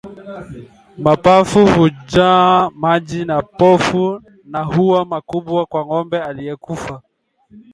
Mapafu hujaa maji na povu na huwa makubwa kwa ngombe aliyekufa